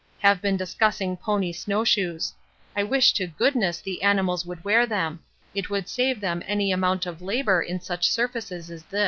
Have been discussing pony snowshoes. I wish to goodness the animals would wear them it would save them any amount of labour in such surfaces as this.